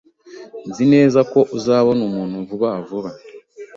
Nzi neza ko uzabona umuntu vuba vuba.